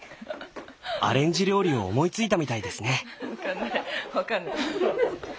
アレンジ料理を思いついたみたいですね。